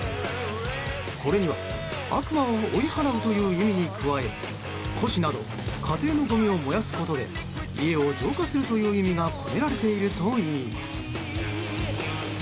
これには悪魔を追い払うという意味に加え古紙など家庭のごみを燃やすことで家を浄化するという意味が込められているといいます。